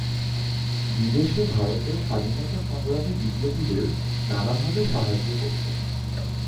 বিদেশে ভারতের স্বাধীনতা সংগ্রামী বিপ্লবীদের নানাভাবে সাহায্য করতেন।